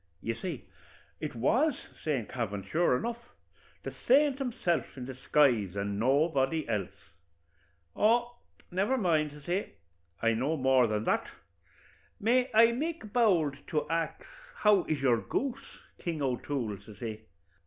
"You see it was Saint Kavin, sure enough the saint himself in disguise, and nobody else. 'Oh, never mind,' says he, 'I know more than that. May I make bowld to ax how is your goose, King O'Toole?' says he.